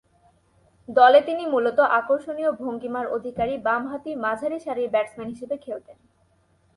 দলে তিনি মূলতঃ আকর্ষণীয় ভঙ্গীমার অধিকারী বামহাতি মাঝারিসারির ব্যাটসম্যান হিসেবে খেলতেন।